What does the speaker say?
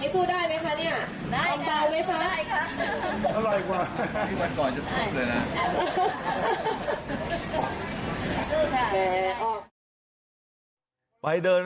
ตามศาลคาม